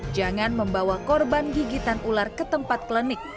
jangan membawa korban gigitan ular ke tempat klinik